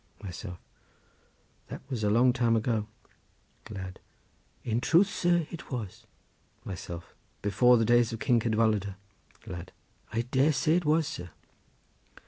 Myself.—That was a long time ago. Lad.—In truth, sir, it was. Myself.—Before the days of King Cadwaladr. Lad.—I dare say it was, sir.